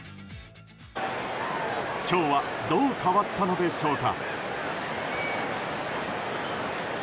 今日はどう変わったのでしょうか。